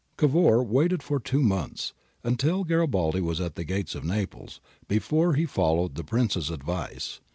Cavour waited for two months, until Garibaldi was at the gates of Naples, before he followed the Prince's advice.